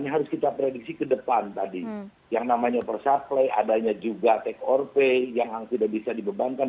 ini harus kita prediksi ke depan tadi yang namanya oversupply adanya juga take or pay yang tidak bisa dibebankan